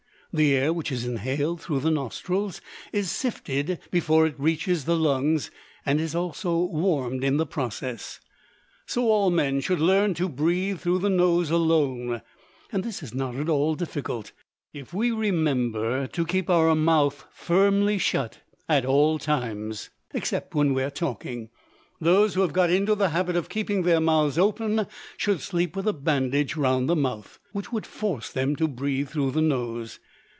The air which is inhaled through the nostrils is sifted before it reaches the lungs, and is also warmed in the process. So all men should learn to breathe through the nose alone. And this is not at all difficult, if we remember to keep our mouth firmly shut at all times, except when we are talking. Those who have got into the habit of keeping their mouth open should sleep with a bandage round the mouth, which would force them to breathe through the nose.